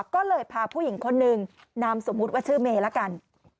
ก็เลยพาผู้หญิงคนหนึ่งนามสมมุติว่าชื่อเมย์ละกัน